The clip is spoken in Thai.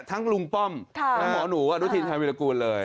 ทั้งลุงป้อมและหมอหนูดูทีนทางวิรกูลเลย